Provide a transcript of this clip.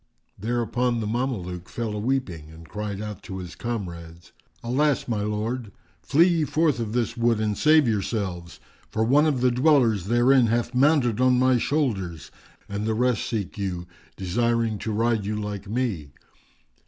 Thereupon the Mameluke fell a weeping and cried out to his comrades, "Alas, my lord! Flee ye forth of this wood and save yourselves, for one of the dwellers therein hath mounted on my shoulders, and the rest seek you, desiring to ride you like me."